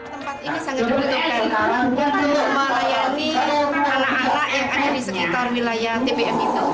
tempat ini sangat dibutuhkan untuk melayani anak anak yang ada di sekitar wilayah tpm itu